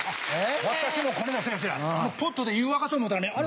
私もこの間そやそやポットで湯沸かそう思うたらねあれ？